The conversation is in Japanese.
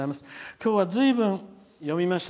今日はずいぶん読みました。